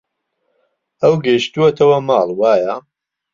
ئەو گەیشتووەتەوە ماڵ، وایە؟